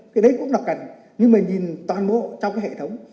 cái đấy cũng là cần nhưng mà nhìn toàn bộ trong cái hệ thống